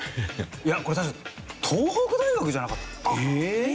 いやこれ確か東北大学じゃなかった？